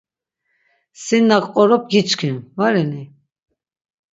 Sin na ǩqorop giçkin, va reni?